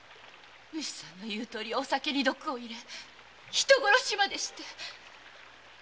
主さんの言うとおりお酒に毒を入れ人殺しまでして。